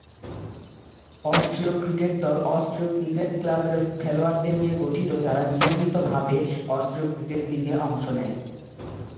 Austria cricket দল, অস্ট্রীয় cricket ক্লাবের খেলোয়াড়দের নিয়ে গঠিত যারা নিয়মিতভাবে অস্ট্রীয় ক্রিকেট লীগে অংশ নেয়।